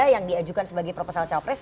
yang diajukan sebagai profesor calpres